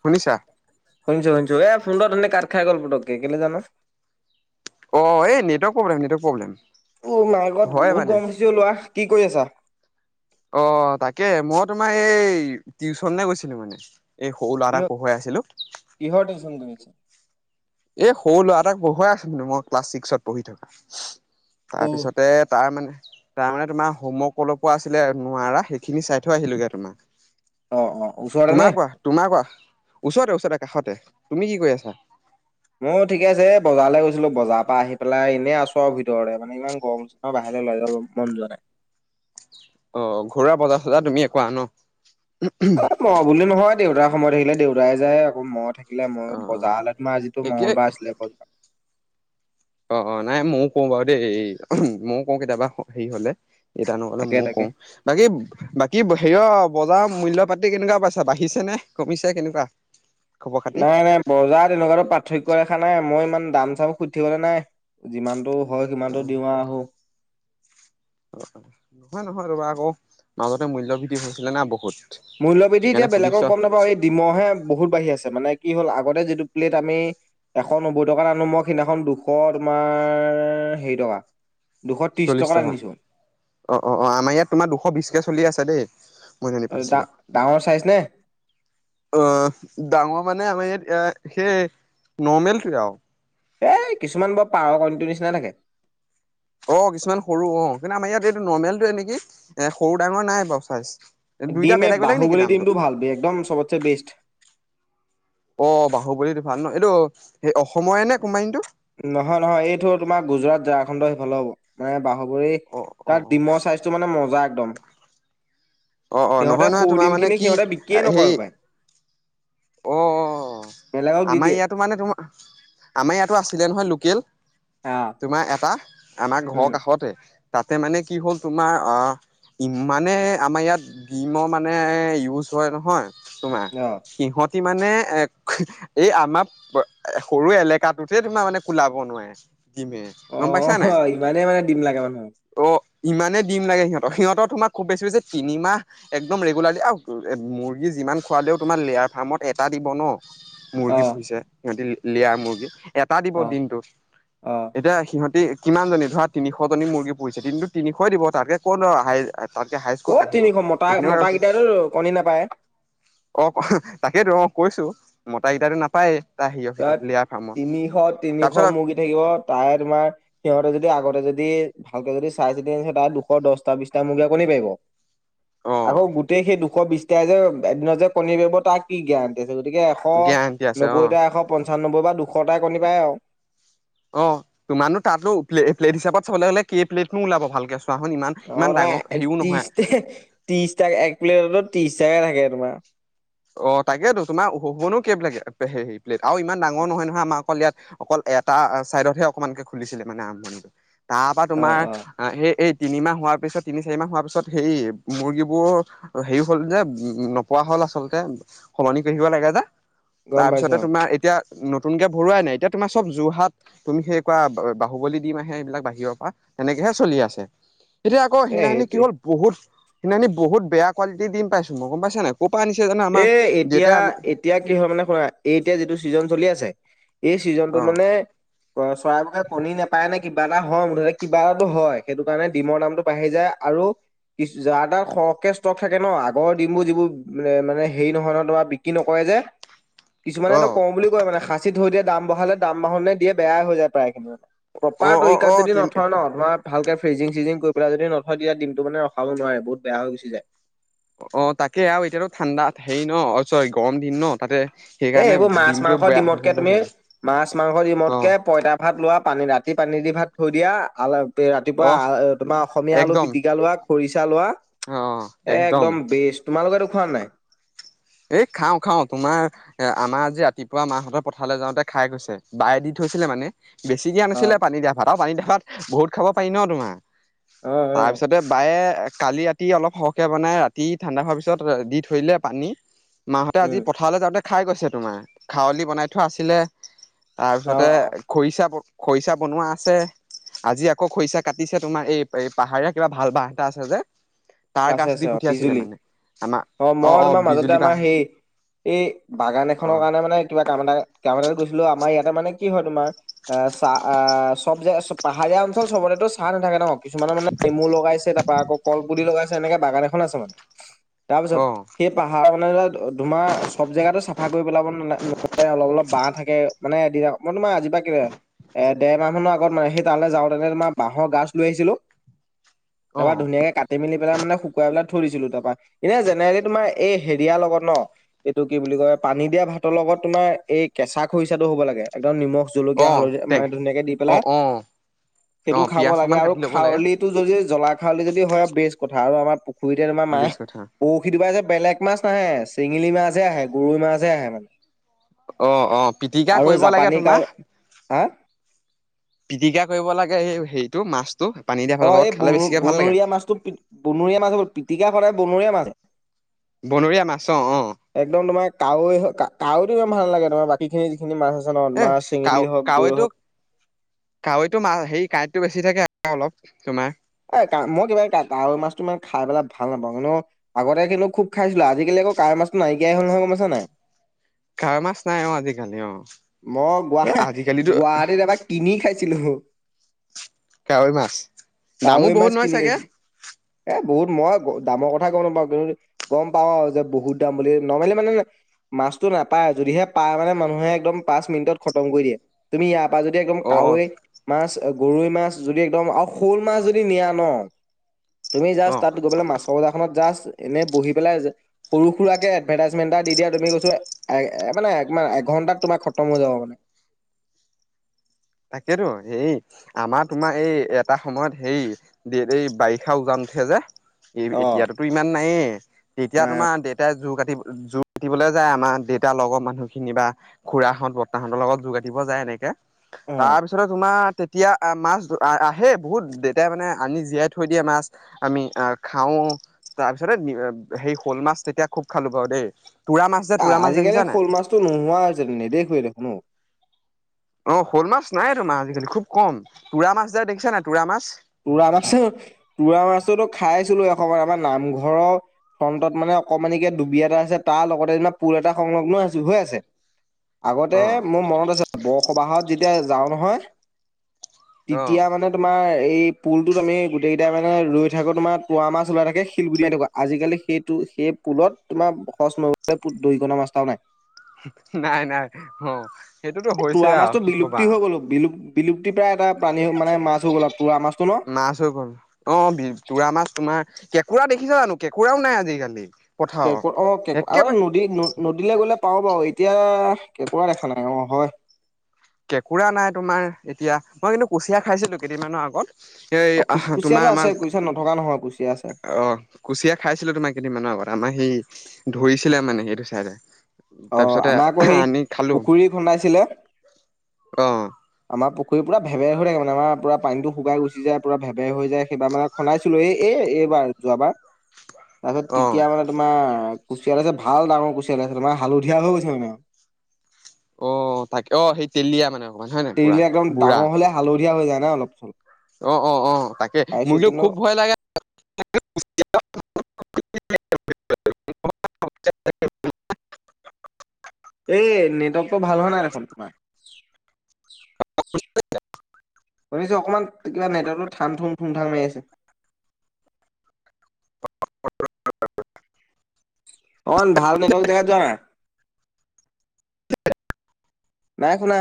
শুনিছা? শুনিছোঁ শুনিছোঁ এ ফোনটো ওথনী কাট খায় গ'ল পতকে কেলে জানোঁ। অহ, এই নেটৱৰ্ক প্ৰব্লেম নেটৱৰ্ক প্ৰব্লেম। ওহ মাইগত হয় বহুত মানে গৰম দিছে অহ, ল'ৰা। কি কৰি আছা? অহ, তাকে মই তোমাৰ এই টিউচনলে গৈছিলোঁ মানে। এই সৰু ল'ৰা কিহৰ এটাক পঢ়োৱাই আছিলোঁ। কিহৰ টিউচন কৰি আছ? এই সৰু ল'ৰা এটাক পঢ়োৱাই আছিলোঁ মই, ক্লাছ ছিক্সত পঢ়ি থকা। তাৰপিছতে তাৰ মানে, তাৰ মানে তোমাৰ হোমৱৰ্ক অলপো আছিলে নোৱাৰা সেইখিনি চাই থৈ আহিলো গে তোমাৰ। অ' অ' ওচৰতে নে? তোমাৰ কোৱা? তোমাৰ কোৱা? ওচৰতে-ওচৰতে কাষতে। তুমি কি কৰি আছা? মই ঠিক আছে, এ বজাৰলৈ গৈছিলোঁ বজাৰ পৰা আহি পেলাই এনেই আছোঁ আৰু ভিতৰতে। মানে ইমান গৰম-চৰম বাহিৰলৈ ওলাই যাব মন যোৱা নাই। অহ, ঘৰুৱা বজাৰ-চজাৰ তুমিয়ে কৰা ন'। অ' মই বুলি নহয়, দেউতাৰ সময়ত থাকিলে দেউতাই যায় আকৌ মই থাকিল থাকিলে মই অ অ বজাৰলে তোমাৰ যিটো একে মঙ্গলবাৰ আছিলে অ', অ', নাই মইয়ো কওঁ বাৰু দেই, মইয়ো কওঁ কেতিয়াবা হেৰি হ'লে। এতিয়া নহ'লে তাকে মইয়ো তাকে। কওঁ বাকী বাকী হেৰি অহ, বজাৰৰ মূল্য পাতি কেনেকুৱা পাইছা বাঢ়িছে নে কমিছে কেনেকুৱা? খবৰ খাতি নাই, নাই বজাৰ তেনেকুৱাতো পাৰ্থক্য দেৰেখা নাই মই ইমান দাম চাম সুধিবলৈ নাই। যিমানতটো হয়, অ সিমানটো দিওঁ হ নহয়, নহয় ৰ'বা আকৌ মাজতে মূল্য ভৃদ্ধি হৈছিলে না বহুত। মূল্যবৃদ্ধি সেইকাৰণে এতিয়া সুধিছ বেলেগক গম, নাপাওঁ এই ডমহে বহুত বাঢ়ি আছে মানে কি হ'ল, আগতে যিটো প্লেট আমি এশ নব্বৈ টকাৰ আনো মই, সিদিনাখন দুশ তোমাৰ হেৰি টকা। দুশ ত্ৰিশ চল্লিশ টকাত টকা আনিছো অ, অ, অ, আমাৰ ইয়াত তোমাৰ দুশ বিছকে চলি আছে ডা দেই। [inaudible] ডাঙৰ চাইজ নে অ, ডাঙৰ মানে আমাৰ ইয়াত, সেই নৰ্মেলটোৱে আৰু। এই, কিছুমান বৰ পাৰৰ কনিটো নিচিনা থাকে। অ, কিছুমান সৰু অ, কিন্তু আমাৰ ইয়াত এইটো নৰ্মেলটোৱে নেকি এ সৰু-ডাঙৰ নাই বাৰু চাইজ দুইটা ডিম এ, বেলেগ বেলেগ বাহু নেকি বুলি দামটো? ডিমটো ভাল একদম চবতে বেষ্ট। অ, বাহুবলী ভাল ন এইটো সেই অসমৰে নে কোম্পানীটো। নহয়, নহয় এইটো তোমাৰ গুজৰাট ঝাৰখণ্ডৰ সিফালে হ'ব। মানে বাহুবৰী, অ অ অ তাৰ ডিমৰ চাইজটো মানে মজা একদম। অ অ নহয় সিহঁতে নহয় সৰু তোমাৰ মানে ডিমখিনি কি সিহঁতে বিকিয়ে নকৰে হেৰি হপাই অ, অ, বেলেগক দি আমাৰ দিয়ে ইয়াতো মানে তোমাৰ, আমাৰ ইয়াতো আছিলে নহয় লোকেল। অ, তোমাৰ এটা আমাৰ ঘৰৰ কাষতে তাতে মানে কি হ'ল তোমাৰ আহ ইমানে আমাৰ ইয়াত ডিমৰ মানে ইউজ হয়, নহয় তোমাৰ অ সিহঁত মানে এ এই আমাৰ সৰু এলেকাটোতে তোমাৰ মানে কোলাব নোৱাৰে। [unintelligible] অ, নাই ইমানে মানে দিম লাগে মানুহক অ, ইমানেই দিম লাগে সিহঁতৰ সিহঁতৰ, তোমাক খুব বেছি যে তিনিমাহ। একদম ৰেগুলাৰলি আৰু মুৰ্গী যিমান খোৱালেও, তোমাৰ লেয়াৰ ফাৰ্মত এটা দিব ন, মুৰ্গী অ' পুহিছে সিহঁতি লয়াৰ মুৰ্গী এটা দিব অ' দিনটোত, অ' এতিয়া সিহঁতি কিমানজনী ধৰা তিনিশজনী মুৰ্গী পুহিছে, দিনটোত তিনিশ ই দিব তাতকৈ হাই তাতকে হাইচ ক'ত, আহিব ন তিনিশ মতা সেইখিনি আছে। মতাকেইটাইতো কণী নাপায় অ, ক- তাকেইেতো অ, কৈছো মতা কেইটো নাপায়। তাত তিনিশ- তিনিশ তাৰপিছত মুৰ্গী থাকিব তাৰে তোমাৰ সিহঁতে যদি আগতে যদি ভালকে যদি চাই চিতি আনিছে তাহ দুশ দহটা, বিছটা মুূৰ্গা কণী পাৰিব। আকৌ অ গোটেই সেই দুশ বিশটাই যে, এদিন যে কণী দিব তাক কি গেৰাণ্টি আছে, গতিকে এশ গেৰাণ্টি আছে অ নব্বৈটা এশ পঞ্চান্ব্বৈ বা দুশটা কণী পাৰে আৰু। অ, তোমাৰনো তাত প্লেট হিচাপত চাবলৈ হ'লে কেই প্লেট নো ওলাব ভালকে চোৱাচোন ইমান অ, ইমান ডাঙৰ তোমাৰ হেৰিও নহয় ত্ৰিশ, ত্ৰিশ এক প্লেটো ত্ৰিশ টাকাই থাকে, তোমাৰ। অ, তাকেতো তোমাৰ হোনো কেব লাগে হেৰি প্লেট আৰু ইমান ডাঙৰ নহয়, নহয়, আমাৰ অকল ইয়াত। অকল এটা চাইদতহে অকমানকে খুলিছিলে মানে আৰম্ভণিটো তাৰ পৰা অ' তোমাৰ অ' সেই এই তিনিমাহ হোৱাৰ পিছত তিনি চাৰি মাহ হোৱাৰ পিছত সেই মুৰ্গীবোৰ হেৰি হ'ল, যে উম, নপোৱা হ'ল আচল তে, সলনি কৰি থাকিব লাগে, যে গম তাৰ পাইছো পিছতে অ' তোমাৰ এতিয়া। নতুনকে ভৰোৱাই নাই, এতিয়া তোমাৰ চ'ব যোৰহাট তুমি সেই কোৱা, বাহুবলী ডিম আহে। এইবিলাক বাহিৰৰ পৰা তেনেকেহে চলি আছে। এতিয়া আকৌ এ সিনানি কি সেইটোৱে হ'ল বহুত সিনািনি বহুত বেয়া কোৱালিটি ডিম পাইছোঁ, মই গম পাইছা নে নাই ক'ৰ পৰা এ এতিয়া আনিছে। [unintelligible] এতিয়া কি হয় মানে শুনা এই এতিয়া যিটো ছিজন চলি আছে, এই চিজনটোত অ মানে চৰাইবোৰে কণী নেপায় নে কিবা এটা হয়, মুঠতে কিবাটো হয়, সেইটো কাৰণে ডিমৰ দামটো বাঢ়ি যায, আৰু কি, যাৰ তাত সৰহকে ষ্টক থাকে, ন আগৰ ডিমবোৰ যিবোৰ মানে হেৰি নহয়, বিক্ৰী নকৰে যে অ কিছুমানেটো কওঁ বুলি কয় মানে সা সাঁচি থৈ দিয়ে। দাম বঢ়ালে, দাম বঢ়ালৈ বেয়াই হৈ যায় প্ৰায়খিনি। অ প্ৰপাৰ অ তৰিকাত অ যদি নথয় ন তোমাৰ ভালকে ফ্ৰিজিং চিজিং কৰি পেলাই যদি নথয়। তেতিয়া দিনটো মানে ৰখাব নোঁৱাৰে, বহুত বেয়া হৈ গুছি যায়। অ' তাকে আৰু এতিয়াতো ঠাণ্ডাত হেৰি ন অ' চৰি গৰম দিন ন তাতে এই সেইকাৰণে এইবোৰ মাছ, ডিমটো মাংস, বেয়া হৈ ডিমতকে তুমি চাগে মাছ, মাংস, অ ডিমতকে পঁইতা ভাত লোৱা পানী ৰাতি পানী দি ভাত থৈ দিয়া, আল ৰাতিপুৱা অ আ তোমাৰ অসমীয়া আলু একদম পিটিকা লোৱা, খৰিচা লোৱা এ একদম বেষ্ট তোমালোকেতো খোৱানে নাই? এই খাওঁ, খাওঁ, তোমাৰ এ আমাৰ আজি ৰাতিপুৱা মাহঁতৰ পথাৰলৈ যাওঁতে খাই গৈছে, বায়ে দি থৈছিলে মানে। বেছিকে অ', আনিছিলে পানী দিয়া ভাত আৰু পানী দিয়া ভাত বহুত খাব পাৰি ন তোমাৰ। অ', অ'। তাৰপিছতে বায়ে কালি ৰাতি অলপ সৰহকৈ বনাই ৰাতি ঠাণ্ডা হোৱাৰ পিছত দি থৈদিলে পানী। মাহঁতে আজি উম, পথাৰলৈ যাওঁতে খাই গৈছে, তোমাৰ খাৱলি বনাই থোৱা আছিলে। তাৰপিছতে, অ', খৰিচা খৰিচা বনোৱা আছে। আজি আকৌ খৰিছা কাটিছে, তোমাৰ এই এই পাহাৰীয়া কিবা ভাল বাঁহ এটা আছে যে তাৰ আছে গাছ দি আছে অ' পঠিয়াইছিলে বিজুলী। মানে আমাৰ মই অ' অ'। তোমাৰ আমাৰ মাজতে বিজুলী বাঁহ সেই এই বাগান এখনৰ কাৰণে মানে কিবা কাম এটা কাম এটাত গৈছিলোঁ। আমাৰ ইয়াতে মানে কি হয় তোমাৰ আ চাহ আহ চ'ব জে পাহাৰীয়া অঞ্চল চবৰেতো চাহ নেথাকে ন। কিছুমানৰ মানে নেমু লগাইছে, তাৰপা আকৌ কলপুলি লগাইছে, এনেকে বাগান এখন আছে মানে তাৰ পিছত অ সেই পাহাৰ খনে দুমাহচ চ'ব জেগাতো চাফা কৰি পেলাব ন নোৱাৰে অলপ অলপ বাঁহ থাকে মানে এদিনা মই তোমাৰ আজি পৰা এ দেৰ মাহ মানৰ আগত মানে সেই তালৈ যাওঁ তেনে তোমাৰ বাঁহৰ গাজ লৈ আহিছিলোঁ। অ তাৰপা বা অ ধুনীয়াকে কাটি মেলি। পেলাই মানে শুকুৱাই পেলাই থৈ দিছিলোঁ। তাৰপা, এতিয়া জেনেৰেলি তোমাৰ এই হেৰিয়া লগত ন। এইটো কি বুলি কয় পানী দিয়া ভাতৰ লগত তোমাৰ এই কেঁচা খৰিচাটো হ'ব লাগে, একদম নিমখ জলকীয়া অ', হালধি তে মানে ধুনীয়াকে দি পেলাই, অ', অ', সেইটো অ', খাব পিয়াজ লাগে অকমান আৰু কাটি ল'ব লাগে খাৱলিত টো যদি যদি জলা খাউলি যদি হয় বেছ কথা আৰু আমাৰ পুখুৰীতে তোমাৰ মায়ে বেছ কথা বহু [unintelligible] যে বেলেগ মাছ নাহে চেঙেলি মাছে হে আহে গৰৈ মাছহে আহে মানে। অ' অ' পিটিকা আৰু কৰিব লাগে জাপানী কাৱৈ তোমাৰ হা পিটিকা কৰিব লাগে, এ হেৰিটো মাছ টো পানী [unintelligible] অ' এই ব খালে বেছিকে ভাল লাগে বনৰীয়া মাছটো পি বনৰীয়া মাছ পিটিকা বনায়ে বনৰীয়া মাছ। বনৰীয়া মাছ অ' অ'। একদম তোমাৰ কাৱৈ, কাৱৈ তো ইমান ভাল লাগে তোমাৰ বাকী সেইখিনি যিখিনি মাছ আছে ন এ তোমাৰ চেঙেলী হওঁক, গৰৈ হওঁক কাৱৈতটো মাছ হেৰি কাঁইটটো বেছি থাকে আৰু অলপ তোমাৰ। এ কা মই কিবা কাৱৈ মাছটো মানে খাই পেলাই ভাল নাপাওঁ। এনেও আগতে কিন্তু খুব খাইছিলোঁ। আজিকালি আকৌ কাৱৈ মছটো নাইকিয়া হ'ল নহয়, গ'ম পাছানে নাই? কাৱৈ মাছ নাই, অ'আজিকালি অ' মই এ আজিকালিতো গুৱ-গুৱাহাটীত এবাৰ কিনি খাইছিলোঁ। কাৱৈ মাছ, দামো বহুত নহয় কিনি খাইছিলো চাগে? এ বহুত মই দামৰ কথা গ'ম নাপাওঁ। কিন্তু গ'ম পাওঁ আৰু যে বহুত দাম বুলি নৰ্মেলি মানে মাছতটো নাপায়, যদিহে পায় মানে মানুহে একদম পাচ মিনিতত খতম কৰি দিয়ে, তুমি ইয়াৰ পৰা যদি অ', কাৱৈ মাছ গৰৈ মাছ যদি একদম আৰু শ'ল মাছ যদি নিয়া ন তুমি অ', জাচ অ'। তাত গ'লে মাছ খবজাখনত জাষ্ট এনেই বহি পেলাই সৰু সুৰাকে এডভাৰটাইজমেন্ট এটা দি দিয়া, তুমি কৈছোঁ এ মানে এঘণ্টাত তোমাৰ সত্য। কম হৈ যাব মানে। তাকেতো সেই আমাৰ তোমাৰ এই এটা সময়ত হেৰি দে এই বাৰিষা উজান উঠে যে এই অ এতিয়াতোতো ইমান নায়ে তেতিয়া নাই তোমাৰ দেউতাই জোৰ কাটি যোৰ কাতিবলে যায়। আমাৰ দেউতাৰ লগৰ মানুহখিনি, বা খুৰাহঁত বৰ্তাহঁতৰ লগ যোৰ কাতিব যায় এনেকে। অ তাৰপিছতে তোমাৰ তেতিয়া মাছ আহেই বহুত দেউতাই মানে আনি জীয়াই থৈ দিয়ে মাছ। আমি অ', খাও তাৰ পিছতে সেই শ'ল মাছ তেতিয়া খুব খালো বাৰু দেই। তোৰা মাছ যে, তোৰা মাছ আজিকালি দেখিছা নাই? শ'ল মাছটো নোহোৱা হৈ যেন নেদেখুৱে দেখুনো ঔ, অ', শ'ল মাছ নাই তোমা আজিকালি খুব কম তুৰা মাছ যে দেখিছা নাই তুৰা মাছ? তোৰা মাছ তোৰা মাছতো খাইছিলো এখময়ত আমাৰ নামঘৰৰ ফ্ৰণ্টত মানে অকমানিকে ডুবি এটা আছে তাৰ লগতে যে পুল এটা সংলগ্ন আছো হৈ আছে। আগতে অ মোৰ মনত আছে বৰসবাহত যেতিয়া যাওঁ নহয়। অ তেতিয়া মানে তোমাৰ এই পুলতোত আমি গোটেই কেইাই মানে ৰৈ থাকো তোমাৰ তৱা মাছ ওলাই থাকে শিল গুতি মাৰি থাকো। আজিকালি সেইটো সেই পুলত তোমাৰ সচ নলে দৰিকণা মাছটাও নাই। নাই-নাই অ' সেইটোতো হৈছে আৰু কি কবা আৰু। বিলু-বিলুপ্তি প্ৰায় এটা প্ৰানী মানে মাছ হৈ গ'ল তোৰা মাছটো ন? নাচ হৈ গ'ল। অ ', বি তোৰা মাছ তোমাৰ কেঁকোৰা দেখিছা জানো কেঁকোৰাও নাই আজিকালি। পথাৰত কেকোৰা অ, কে আৰু একেবাৰে নদী-নদী। নদীলৈ গ'লে পাওঁ বাৰু এতিয়া কেঁকোৰা দেখা নাই অ'হয়। কেঁকোৰা নাই তোমাৰ এতিয়া মই কিন্তু কুচিয়া খাইছিলো কেইদিনমানৰ আগত। এই অ কু আহ কুচিয়াটো তোমাৰ আছে আমাৰ কুচিয়া নথকা নহয় কুচিয়া আছে অ', কুচিয়া খাইছিলো তোমাৰ কেইদিনমানৰ আগত আমাৰ সেই ধৰিছিলে মানে সেইটো চাইডে। অ', তাৰপিছতে আমাৰ আকৌ সেই আনি খালো পুখুৰী খুন্দাইছিলে। অ', আমাৰ পুুৰী পুৰা ভেৰ হৈ থাক মানে আমাৰ পানীটো শুকাই গুচি যায়ুৰা ভেবে হৈ যায় সেইা মানে চলাইছিলো এই এ এইবাৰ যোৱাবাৰ। তাৰপিছত অ তেতিয়া মানে তোমাৰ কুচিয়াল আছে ভাল ডাঙৰ কুচিয়াল আছে তোমাৰ হালধীয়া হৈ গৈছে মানে আৰু। অ'তাকে অ, সেই তেলীয়া মানে অকমান হয় নে পুৰা তেৰিলে একদম বুঢ়া। ডাঙৰ হলে হালধীয়া হৈ যায় না অলপ চলপ। অ', অ', অ, তাকে পাইছো মোৰ কিন্ত কিন্তু খুব ভয়। এ [unintelligible] এই নেটৱৰ্কতটো ভাল হয় নাই দেখোন তোমাৰ? শুনিছে অকমান কিবা নেটটো ধান থুম-থুম থাম মাৰি আছে। অ, ভাল নেটৱৰ্ক দেখা যোৱা না। নাই শুনা।